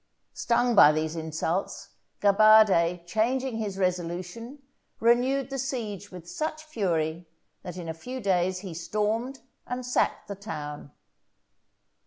Stung by these insults, Gabade, changing his resolution, renewed the siege with such fury that in a few days he stormed and sacked the town.